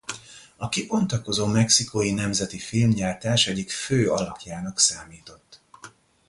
A kibontakozó mexikói nemzeti filmgyártás egyik fő alakjának számított.